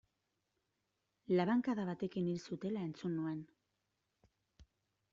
Labankada batekin hil zutela entzun nuen.